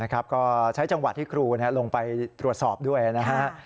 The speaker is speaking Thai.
ก็ใช้จังหวะที่ครูลงไปตรวจสอบด้วยนะฮะ